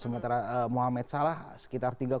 sementara mohamed salah sekitar tiga empat tembakan per laga